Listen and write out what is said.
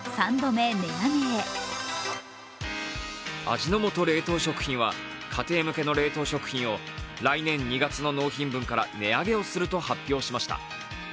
味の素冷凍食品は家庭向けの冷凍食品を来年２月の納品分から値上げをすると発表しました。